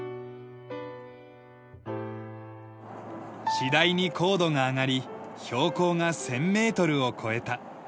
次第に高度が上がり標高が１０００メートルを超えた。